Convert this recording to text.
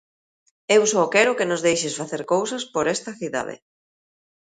Eu só quero que nos deixedes facer cousas por esta cidade.